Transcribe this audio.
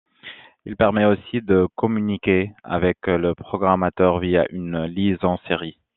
Il permet aussi de communiquer avec le programmateur via une liaison série.